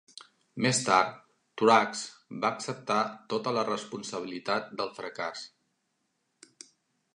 Més tard, Truax va acceptar tota la responsabilitat del fracàs.